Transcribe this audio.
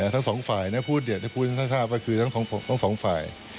ทั้งสองฝ่ายพูดทั้งทราบว่าคือทั้งสองฝ่าย